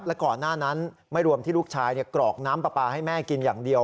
และก่อนหน้านั้นไม่รวมที่ลูกชายกรอกน้ำปลาปลาให้แม่กินอย่างเดียว